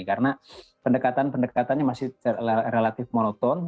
karena pendekatan pendekatannya masih relatif monoton